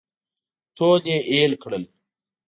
ټول یې اېل کړل.